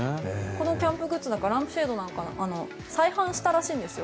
このキャンプグッズだとランプシェードとか再販したらしいんですよ。